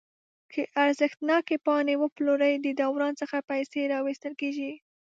که ارزښتناکې پاڼې وپلوري د دوران څخه پیسې راویستل کیږي.